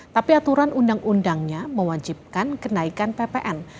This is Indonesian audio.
tapi aturan undang undangnya mewajibkan kenaikan ppn